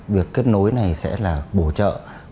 việc kết nối này sẽ là bổ trợ